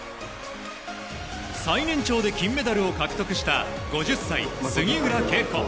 最年長で金メダルを獲得した５０歳、杉浦佳子。